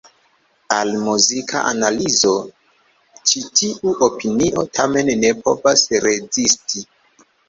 Al muzika analizo ĉi tiu opinio tamen ne povas rezisti.